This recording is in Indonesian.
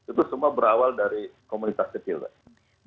itu semua berawal dari komunitas kecil pak